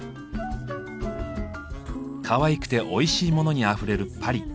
かわいくておいしいモノにあふれるパリ。